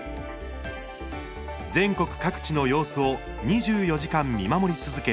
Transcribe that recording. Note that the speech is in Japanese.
全国各地の様子を２４時間見守り続け